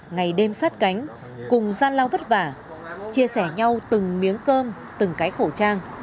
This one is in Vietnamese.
ngày đêm sát cánh cùng gian lao vất vả chia sẻ nhau từng miếng cơm từng cái khẩu trang